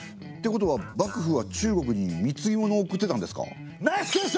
ってことは幕府は中国に貢物を贈ってたんですか？